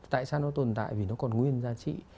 tại sao nó tồn tại vì nó còn nguyên giá trị